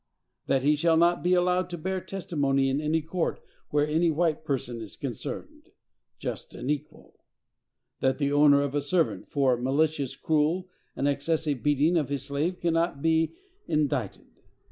That he shall not be allowed to bear testimony in any court where any white person is concerned.—Just and equal! That the owner of a servant, for "malicious, cruel, and excessive beating of his slave, cannot be indicted."